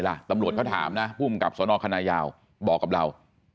ตำรวจเขาถามนะภูมิกับสนคณะยาวบอกกับเรา